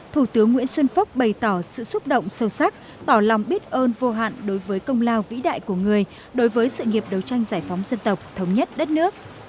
thủ tướng nguyễn xuân phúc bày tỏ sự xúc động sâu sắc tỏ lòng biết ơn vô hạn đối với công lao vĩ đại của người đối với sự nghiệp đấu tranh giải phóng dân tộc thống nhất đất nước